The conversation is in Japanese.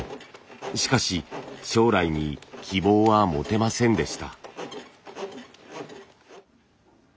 しかし将来に希望は持てませんでした。